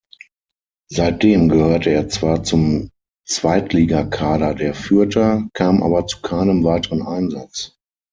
Seitdem gehörte er zwar zum Zweitligakader der Fürther, kam aber zu keinem weiteren Einsatz.